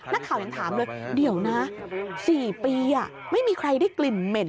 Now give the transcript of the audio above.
นักข่าวยังถามเลยเดี๋ยวนะ๔ปีไม่มีใครได้กลิ่นเหม็น